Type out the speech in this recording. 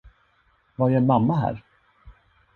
Vad gör mamma här?